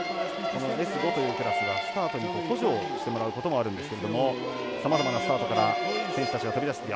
このＳ５というクラスはスタートに補助をしてもらうこともあるんですけれどもさまざまなスタートから選手たちが飛び出して。